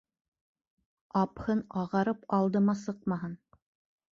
Апһын ағарып алдыма сыҡмаһын